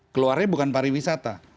keluarnya bukan pariwisata